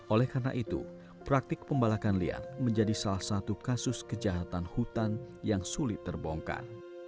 oleh karena itu praktik pembalakan liar menjadi salah satu kasus kejahatan hutan yang sulit terbongkar